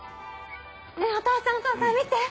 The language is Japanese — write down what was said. ねぇお父さんお父さん見て。